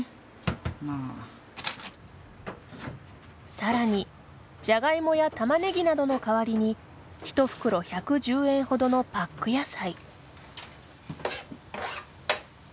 さらに、じゃがいもやたまねぎなどの代わりに１袋１１０円ほどのパック野菜。